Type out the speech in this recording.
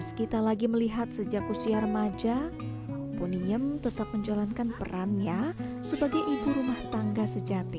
meskita lagi melihat sejak usia remaja poniem tetap menjalankan perannya sebagai ibu rumah tangga sejati